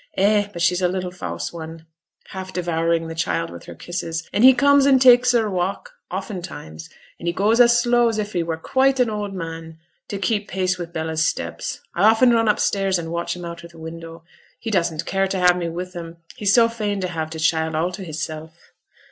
Eh! but she's a little fause one,' half devouring the child with her kisses. 'And he comes and takes her a walk oftentimes, and he goes as slow as if he were quite an old man, to keep pace wi' Bella's steps. I often run upstairs and watch 'em out o' t' window; he doesn't care to have me with 'em, he's so fain t' have t' child all to hisself.'